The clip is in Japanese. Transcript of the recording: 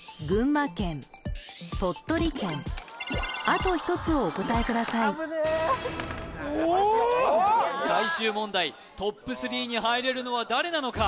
あと１つをお答えくださいおっ最終問題トップ３に入れるのは誰なのか？